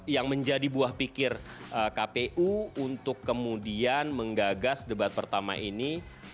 yang menjadi buah pikir kpu untuk kemudian menggagas debat pertama ini